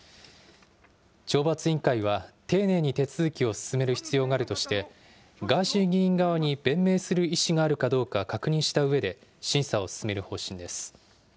懲罰委員会は、丁寧に手続きを進める必要があるとして、ガーシー議員側に弁明する意思があるかどうか確認したうえで、審査を進める方針です。